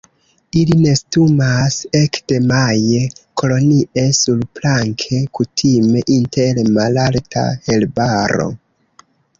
Ili nestumas ekde maje kolonie surplanke, kutime inter malalta herbaro.